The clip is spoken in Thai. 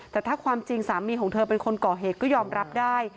แต่ถ้าความจริงสามีของเธอเป็นคนก่อเหตุก็ยอมรับได้